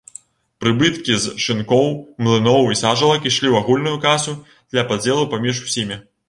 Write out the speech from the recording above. Прыбыткі з шынкоў, млыноў і сажалак ішлі ў агульную касу для падзелу паміж усімі.